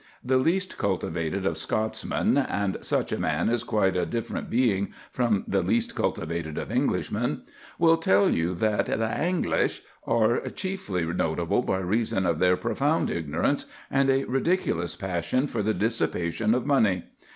The least cultivated of Scotsmen and such a man is quite a different being from the least cultivated of Englishmen will tell you that "thae English" are chiefly notable by reason of their profound ignorance and a ridiculous passion for the dissipation of money.